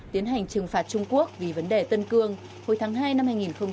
tiến hành trừng phạt trung quốc vì vấn đề tân cương hồi tháng hai năm hai nghìn hai mươi